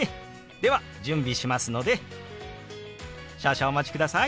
では準備しますので少々お待ちください。